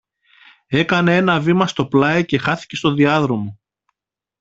έκανε ένα βήμα στο πλάι και χάθηκε στο διάδρομο